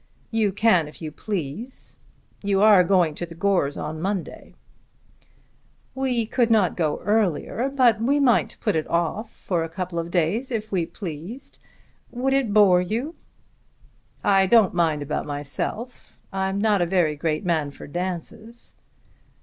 "You can if you please. You are going to the Gores on Monday." "We could not go earlier; but we might put it off for a couple of days if we pleased. Would it bore you?" "I don't mind about myself. I'm not a very great man for dances."